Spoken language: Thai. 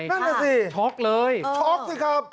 นั่นน่ะสิช็อกเลยช็อกสิครับ